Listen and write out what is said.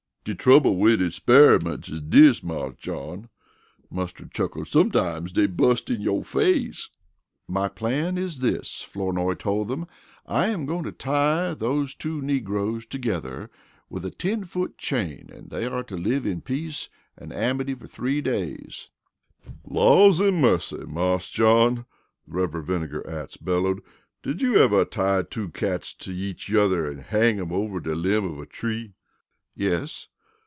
"De trouble wid experiments is dis, Marse John," Mustard chuckled, "sometimes dey bust in yo' face." "My plan is this," Flournoy told them. "I am going to tie those two negroes together with a ten foot chain and they are to live in peace and amity for three days." "Lawdymussy, Marse John!" the Rev. Vinegar Atts bellowed. "Did you ever tie two cats to each yuther an' hang 'em over de limb of a tree?" "Yes."